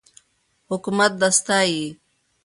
حکومت دا ستایي.